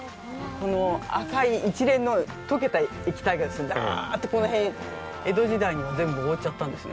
この赤い一連の溶けた液体がだーっとこの辺、江戸時代には全部、覆っちゃったんですね。